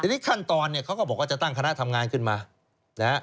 ทีนี้ขั้นตอนเนี่ยเขาก็บอกว่าจะตั้งคณะทำงานขึ้นมานะฮะ